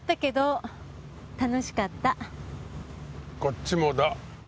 こっちもだ。